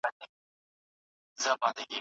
هر څوک باید خپل نظر څرګند کړي.